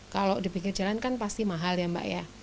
kalau di pinggir jalan kan pasti mahal ya mbak ya